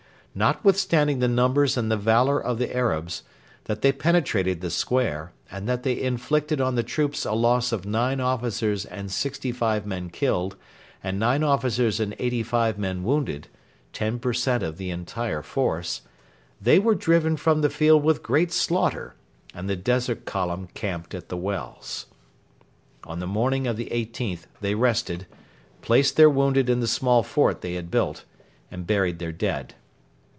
Notwithstanding the numbers and the valour of the Arabs, that they penetrated the square, and that they inflicted on the troops a loss of nine officers and sixty five men killed and nine officers and eighty five men wounded 10 percent of the entire force they were driven from the field with great slaughter, and the Desert Column camped at the wells. On the morning of the 18th they rested, placed their wounded in the small fort they had built, and buried their dead.